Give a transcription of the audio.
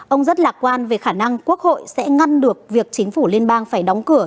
ông rất lạc quan về khả năng quốc hội sẽ ngăn được việc chính phủ liên bang phải đóng cửa